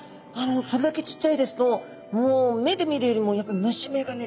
それだけちっちゃいですともう目で見るよりもやっぱ虫眼鏡で？